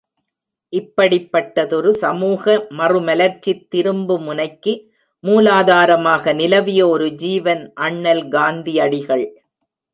இப்படிப்பட்டதொரு சமூக மறுமலர்ச்சித் திரும்பு முனைக்கு மூலாதாரமாக நிலவிய ஒரு ஜீவன், அண்ணல் காந்தியடிகள்.